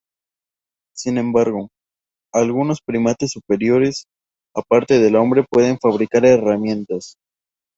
Sin embargo, algunos primates superiores, aparte del hombre, pueden fabricar herramientas.